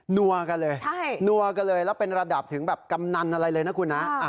นัวกันเลยนัวกันเลยแล้วเป็นระดับถึงแบบกำนันอะไรเลยนะคุณนะ